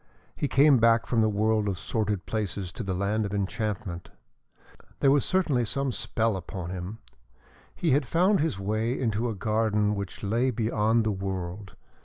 He came back from the world of sordid places to the land of enchantment. There was certainly some spell upon him. He had found his way into a garden which lay beyond the world.